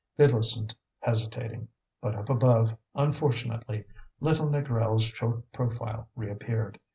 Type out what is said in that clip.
They listened, hesitating. But up above, unfortunately, little Négrel's short profile reappeared.